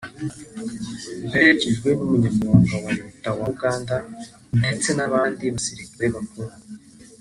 aherekejwe n’umunyamabanga wa Leta wa Uganda ndetse n’abandi basirikare bakuru